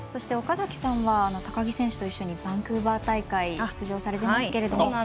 岡崎さんは高木選手と一緒にバンクーバー大会出場されていますが。